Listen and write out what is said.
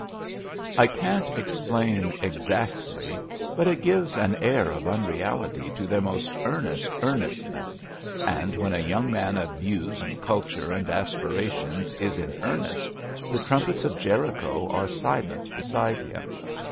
I can't explain exactly, but it gives an air of unreality to their most earnest earqiestnesses ; and when a young man of views and culture and aspirations is in earnest, the trumpets of Jericho are silent beside him.